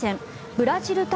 ブラジル対